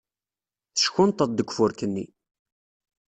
Teckunṭeḍ deg ufurk-nni.